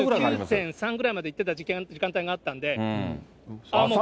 ３９．３ぐらいまでいってた時間帯があったんで。